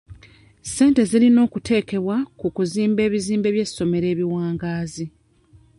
Ssente zirina okuteekebwa ku kuzimba ebizimbe by'essomero ebiwangaazi.